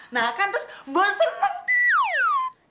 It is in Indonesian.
nah kan terus mbok sering meng